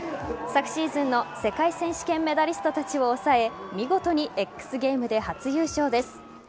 昨シーズンの世界選手権メダリストたちを抑え見事にＸゲームで初優勝です。